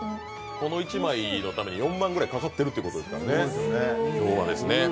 この１枚のために４万ぐらいかかってるってことですからね。